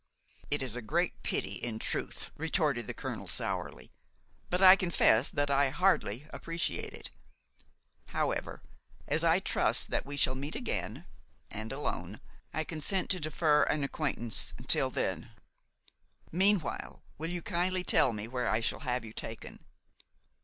"It is a great pity in truth!" retorted the colonel sourly; "but I confess that I hardly appreciate it. However, as I trust that we shall meet again, and alone, I consent to defer an acquaintance until then. Meanwhile will you kindly tell me where I shall have you taken."